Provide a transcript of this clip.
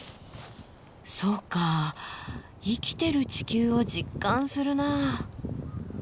そうか生きてる地球を実感するな。